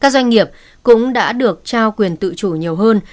các doanh nghiệp cũng đã được trao quyền tự chủ nhiều hơn